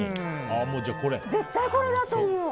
絶対これだと思う！